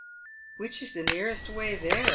" Which is the nearest way there ?"